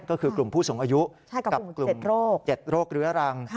ก็คือกลุ่มผู้สูงอายุกับกลุ่ม๗โรคเรื้อรัง